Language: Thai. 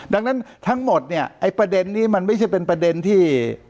ดังนั้นทั้งหมดเนี่ยไอ้ประเด็นนี้มันไม่ใช่เป็นประเด็นที่